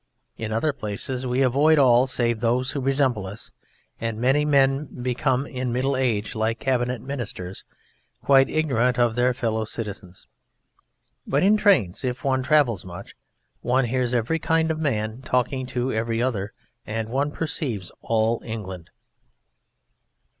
In other places we avoid all save those who resemble us, and many men become in middle age like cabinet ministers, quite ignorant of their fellow citizens. But in Trains, if one travels much, one hears every kind of man talking to every other and one perceives all England.